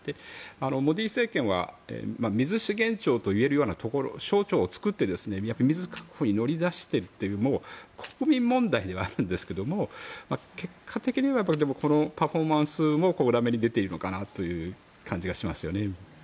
モディ政権は水資源庁というような省庁を作って水確保に乗り出しているという国民問題ではあるんですが結果的にはこのパフォーマンスも裏目に出ているのかなという感じがしますよね。